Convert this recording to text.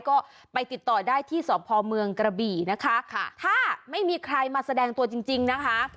ก็ไปติดต่อได้ที่สพเมืองกระบี่นะคะค่ะถ้าไม่มีใครมาแสดงตัวจริงจริงนะคะ